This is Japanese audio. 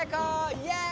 イエーイ！